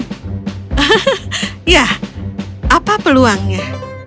hehehe ya apa peluangnya